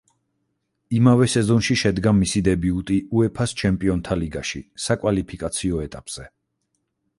იმავე სეზონში შედგა მისი დებიუტი უეფა-ს ჩემპიონთა ლიგაში, საკვალიფიკაციო ეტაპზე.